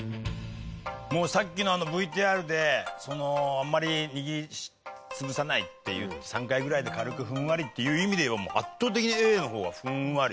もうさっきのあのＶＴＲであんまり握り潰さないっていう３回ぐらいで軽くふんわりっていう意味で言えば圧倒的にＡの方がふんわり。